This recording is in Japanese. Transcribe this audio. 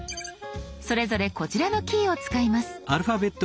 それぞれこちらのキーを使います。